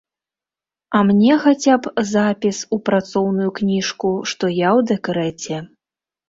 А мне хаця б запіс у працоўную кніжку, што я ў дэкрэце.